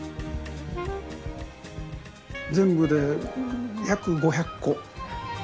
全部で約５００個。